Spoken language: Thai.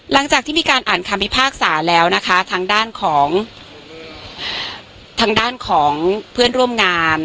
หลังจากที่มีการอ่านคำพิพากษาแล้วนะคะทางด้านของทางด้านของเพื่อนร่วมงาน